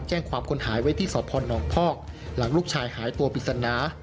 แจ้งความค้นหายไว้ที่สอบพลน้องภอกหลังลูกชายหายตัวปิศนา